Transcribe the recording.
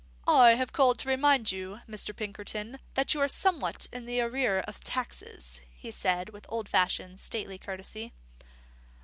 "I have called to remind you, Mr. Pinkerton, that you are somewhat in arrear of taxes," he said, with old fashioned, stately courtesy.